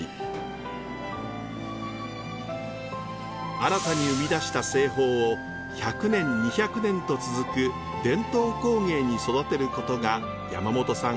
新たに生み出した製法を１００年２００年と続く伝統工芸に育てることが山元さん